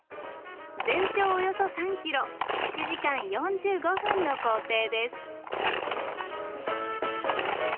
全長およそ３ｋｍ１時間４５分の行程です。